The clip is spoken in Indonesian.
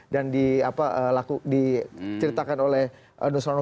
dan diceritakan oleh nusro